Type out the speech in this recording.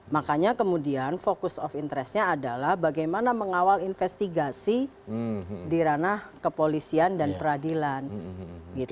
makanya kemudian fokus of interestnya adalah bagaimana mengawal investigasi di ranah kepolisian dan peradilan